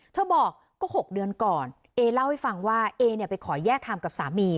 เธอบอกก็๖เดือนก่อนเอเล่าให้ฟังว่าเอเนี่ยไปขอแยกทำกับสามี